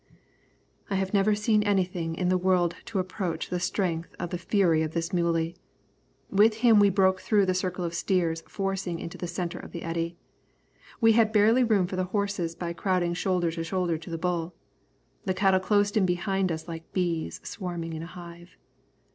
I have never seen anything in the world to approach the strength or the fury of this muley. With him we broke through the circle of steers forcing into the centre of the eddy. We had barely room for the horses by crowding shoulder to shoulder to the bull. The cattle closed in behind us like bees swarming in a hive.